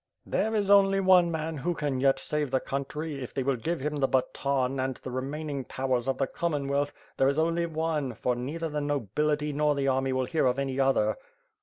There is only one man who can yet save the country; if they will give him the baton and the remaining powers of the Commonwealth. There is only one, for neither the no bility nor the army will hear of any other."